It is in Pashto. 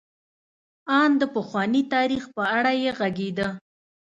ان د پخواني تاریخ په اړه یې غږېده.